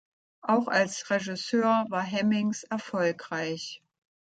Auch als Regisseur war Hemmings erfolgreich.